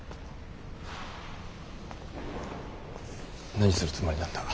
何するつもりなんだ。